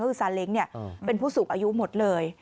ก็คือซาเล้งเป็นผู้สูงอายุหมดเลย